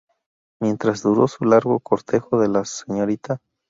Mientras duró su largo cortejo de la Srta.